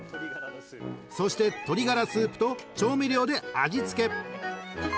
［そして鶏がらスープと調味料で味付け］